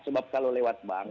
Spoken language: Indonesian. sebab kalau lewat bank